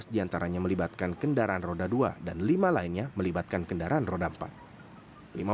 dua belas diantaranya melibatkan kendaraan roda dua dan lima lainnya melibatkan kendaraan roda empat lima